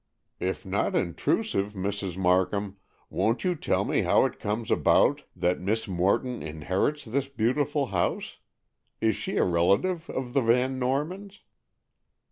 "If not intrusive, Mrs. Markham, won't you tell me how it comes about that Miss Morton inherits this beautiful house? Is she a relative of the Van Normans?"